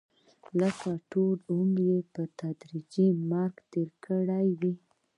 لکه ټول عمر یې په تدریجي مرګ کې تېر کړی وي.